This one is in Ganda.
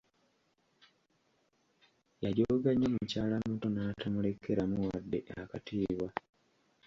Yajooga nnyo mukyala muto n'atamulekeramu wadde akatiibwa.